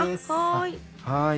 はい。